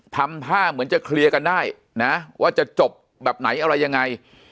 ทำท่าเหมือนจะเคลียร์กันได้นะว่าจะจบแบบไหนอะไรยังไง